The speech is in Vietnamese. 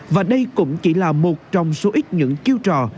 và đây cũng chỉ là một trong số ít những chiêu trò